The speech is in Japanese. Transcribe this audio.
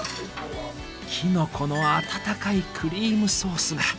きのこの温かいクリームソースが。